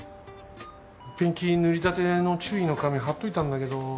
ペンキ塗りたての注意の紙貼っといたんだけど。